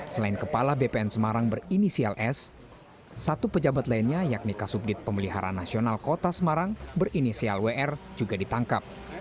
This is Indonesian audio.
selain kepala bpn semarang berinisial s satu pejabat lainnya yakni kasubdit pemeliharaan nasional kota semarang berinisial wr juga ditangkap